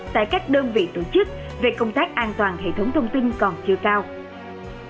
tại các đơn vị tổ chức về công tác an toàn hệ thống thông tin còn chưa cao